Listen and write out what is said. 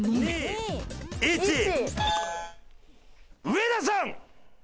上田さん！